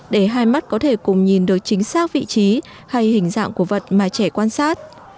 để hai mắt có thể cùng nhìn được chính xác vị trí hay hình dạng của vật mà trẻ quan sát